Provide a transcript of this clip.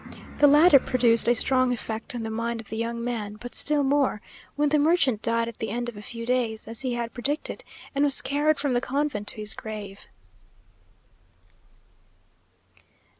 The letter produced a strong effect on the mind of the young man; but still more, when the merchant died at the end of a few days, as he had predicted, and was carried from the convent to his grave.